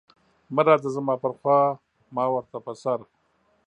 مه راځه زما پر خوا ما ورته په سر.